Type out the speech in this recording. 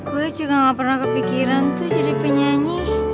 gue juga gak pernah kepikiran tuh jadi penyanyi